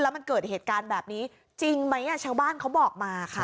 มันเกิดเหตุการณ์แบบนี้จริงไหมชาวบ้านเขาบอกมาค่ะ